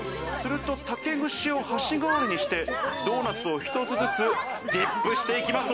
竹串を箸代わりにして、ドーナツを一つずつディップしていきます。